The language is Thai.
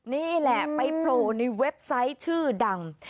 นี่แหละไปโผล่ในเว็บไซต์ชื่อดัง